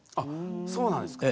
そうなんですか。